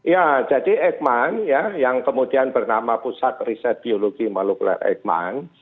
ya jadi eijkman ya yang kemudian bernama pusat riset biologi molekuler eikman